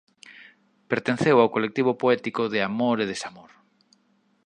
Pertenceu ao colectivo poético De amor e desamor.